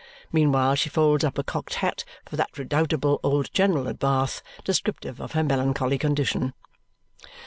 Meanwhile she folds up a cocked hat for that redoubtable old general at Bath, descriptive of her melancholy condition.